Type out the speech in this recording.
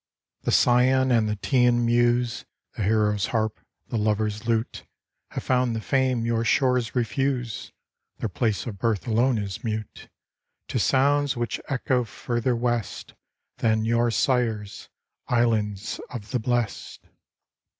The Scian and the Teian muse. The hero's harp, the lover's lute. Have found the fame your shores refuse; Their place of birth alone is mute To sounds which echo further west Than your sires' "Islands of the Blest."